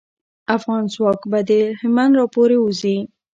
افغان ځواک به له هلمند راپوری وځي.